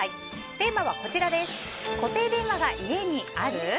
テーマは固定電話が家にある？